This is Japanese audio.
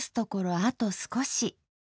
あと少し。